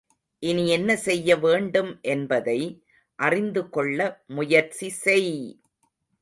இனி என்ன செய்ய வேண்டும் என்பதை அறிந்து கொள்ள முயற்சி செய்!